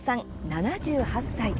７８歳。